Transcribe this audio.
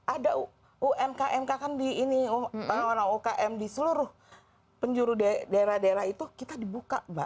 ada umkm kan di ini orang ukm di seluruh penjuru daerah daerah itu kita dibuka mbak